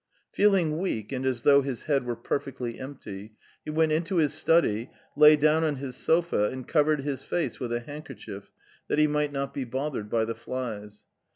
Feeling weak and as though his head were perfectly empty, he went into his study, lay down on his sofa, and covered his face with a handkerchief that he might not be bothered by the flies.